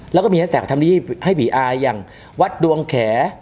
แล้วก็มีแฮสแท็กทำนี้ให้ผีอายอย่างวัดดวงแข